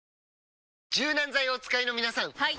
柔軟剤をお使いの皆さんはい！